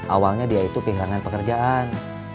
awalnya dia itu kehilangan pekerjaan